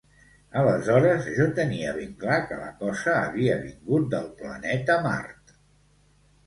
Aleshores, jo tenia ben clar que la cosa havia vingut del planeta Mart.